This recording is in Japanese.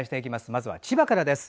まずは千葉からです。